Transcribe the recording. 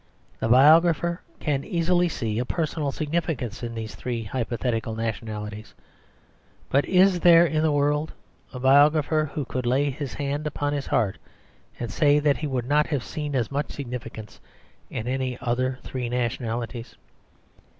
The biographer can easily see a personal significance in these three hypothetical nationalities. But is there in the world a biographer who could lay his hand upon his heart and say that he would not have seen as much significance in any three other nationalities?